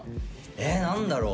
え何だろう？